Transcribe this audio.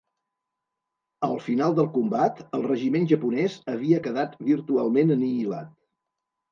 Al final del combat el regiment japonès havia quedat virtualment anihilat.